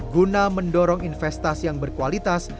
guna mendorong investasi yang berkualitas